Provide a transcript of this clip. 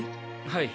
はい。